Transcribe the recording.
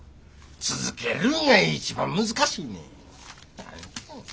続けるんが一番難しいねん。